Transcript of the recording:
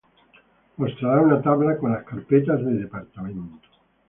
mostrará una tabla con las carpetas de departamento